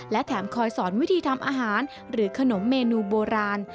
และแถมคอยสอนวิธีทำอาหารหรือขนมเมนูโบราณ